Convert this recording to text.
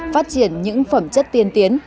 phát triển những phẩm chất tiên tiến